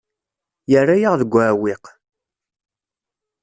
Yerra-yaɣ deg uɛewwiq.